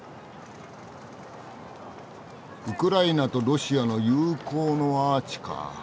ウクライナとロシアの友好のアーチか。